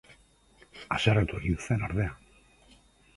Haserretu egin zen, ordea.